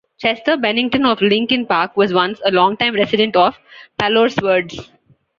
Chester Bennington of Linkin Park was once a longtime resident of Palos Verdes.